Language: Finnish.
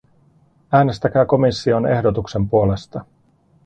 Äänestäkää komission ehdotuksen puolesta!